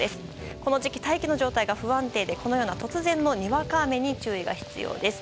この時期、大気の状態が不安定でこのような突然のにわか雨に注意が必要です。